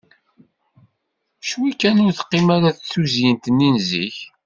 Ccwi kan ur teqqim ara d tuzyint-nni n zik.